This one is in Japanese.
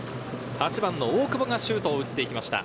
８番の大久保がシュートを打っていきました。